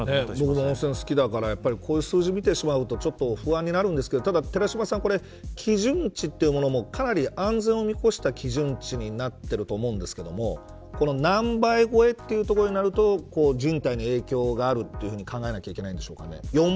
僕も温泉好きだからこういう数字を見ると不安になるんですけどただ、寺嶋先生基準値というものもかなり安全を見越した基準値になってると思うんですけど何倍超えというところになると人体に影響があると考えなきゃいけないんでしょうか。